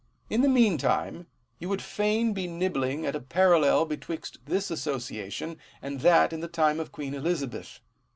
In the mean time, you would fain be nibbling at a parallel betwixt this Asso ciation, and that in the time of Queen Elizabeth.